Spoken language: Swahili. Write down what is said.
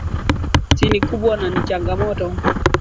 si ni kubwa na ni changamoto